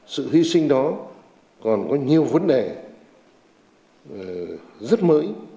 sự hy sinh đó còn có nhiều vấn đề rất mới